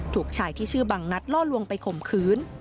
ถูกชายที่ชื่อบังนัดล่อลวงไปข่มขืน